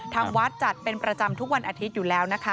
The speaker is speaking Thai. ทางวัดจัดเป็นประจำทุกวันอาทิตย์อยู่แล้วนะคะ